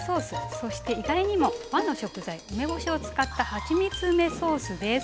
そして意外にも和の食材梅干しを使ったはちみつ梅ソースです。